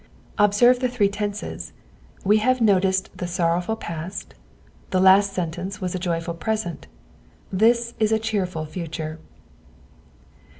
Observe the three tenses, we have noticed the sorrowful past, the last sentence was a joyful present, this is a cheerful future.